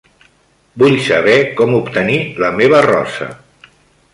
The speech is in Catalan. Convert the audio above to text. Vull saber com obtenir la meva rosa.